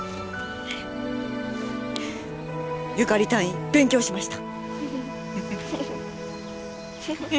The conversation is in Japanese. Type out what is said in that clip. ユカリ隊員勉強しました。